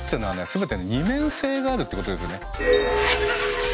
全て二面性があるってことですよね。